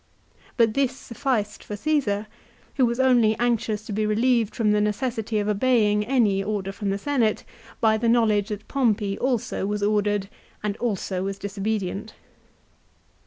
But this sufficed for Caesar, who was only anxious to be relieved from the necessity of obeying any order from the Senate by the knowledge that Pompey also was ordered and also was disobedient.